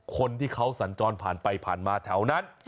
คนที่เขาสัญจรผ่านไปผ่านมาแถวนั้น